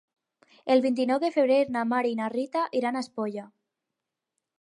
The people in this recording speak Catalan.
El vint-i-nou de febrer na Mar i na Rita iran a Espolla.